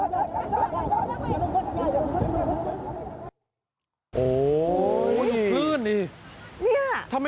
สวัสดีครับ